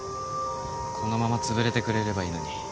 このままつぶれてくれればいいのに。